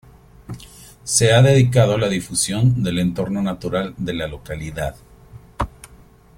Se ha dedicado a la difusión del entorno natural de la localidad.